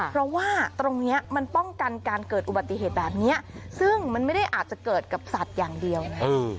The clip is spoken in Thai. เพราะว่าตรงเนี้ยมันป้องกันการเกิดอุบัติเหตุแบบนี้ซึ่งมันไม่ได้อาจจะเกิดกับสัตว์อย่างเดียวไง